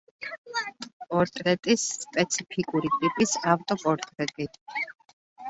პორტრეტის სპეციფიკური ტიპის ავტოპორტრეტი.